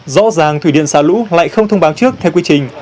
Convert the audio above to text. rõ ràng thủy điện xả lũ lại không thông báo trước theo quy trình